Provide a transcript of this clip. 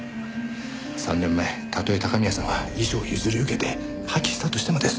３年前たとえ高宮さんが遺書を譲り受けて破棄したとしてもです。